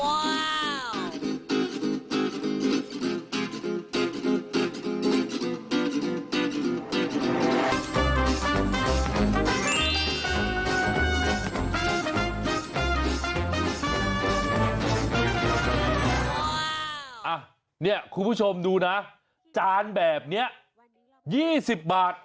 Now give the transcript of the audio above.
เนี่ยคุณผู้ชมดูนะจานแบบนี้๒๐บาท